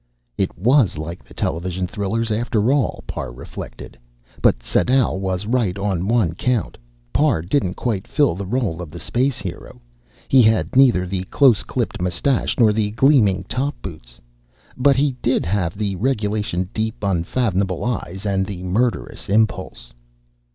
It was like the television thrillers, after all, Parr reflected. But Sadau was right on one count Parr didn't quite fill the role of the space hero. He had neither the close clipped moustache nor the gleaming top boots. But he did have the regulation deep, unfathomable eyes and the murderous impulse.